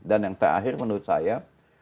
dan yang terakhir menurut saya